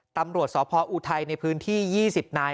ตำรวจสพออุทัยในพื้นที่๒๐นาย